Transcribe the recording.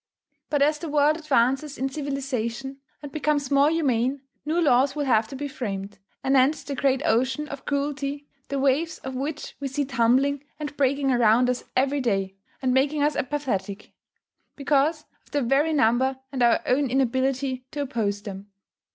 But, as the world advances in civilization, and becomes more humane, new laws will have to be framed, anent the great ocean of cruelty, the waves of which we see tumbling and breaking around us every day, and making us apathetic, because of their very number and our own inability to oppose them.